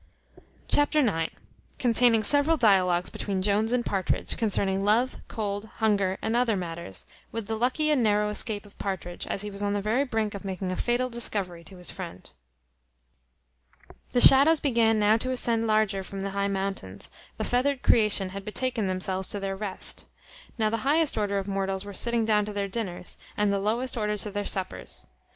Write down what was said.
Chapter ix. Containing several dialogues between Jones and Partridge, concerning love, cold, hunger, and other matters; with the lucky and narrow escape of Partridge, as he was on the very brink of making a fatal discovery to his friend. The shadows began now to descend larger from the high mountains; the feathered creation had betaken themselves to their rest. Now the highest order of mortals were sitting down to their dinners, and the lowest order to their suppers.